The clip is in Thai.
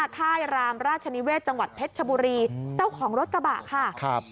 ไทรรามราชนิเวชจังหวัดเพชรชบุรีเจ้าของรถตะบะค่ะ